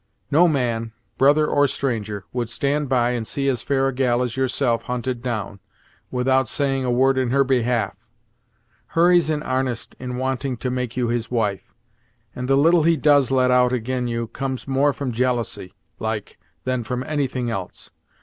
No man, brother or stranger, would stand by and see as fair a gal as yourself hunted down, without saying a word in her behalf. Hurry's in 'arnest in wanting to make you his wife, and the little he does let out ag'in you, comes more from jealousy, like, than from any thing else.